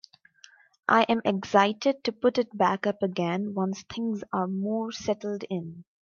I am excited to put it back up again once things are more settled in.